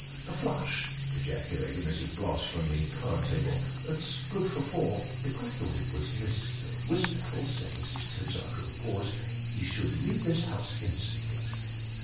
" A flush !" ejaculated Mrs. Bloss from the card table ;" that's good for four." " If I thought it was Mr. Wisbottle," said Mrs. Tibbs, after a pause, " he should leave this house instantly."